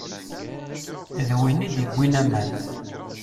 D winna i d-iwwin aman.